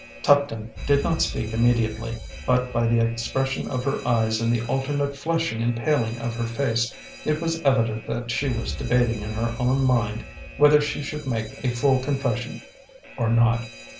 Tuptim did not speak immediately; but by the expression of her eyes and the alternate flushing and paling of her face it was evident that she was debating in her own mind whether she should make a full confession or not.